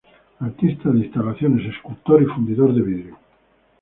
Artista de instalaciones, escultor y fundidor de vidrio.